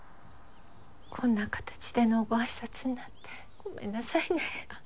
こんな形でのご挨拶になってごめんなさいねあっ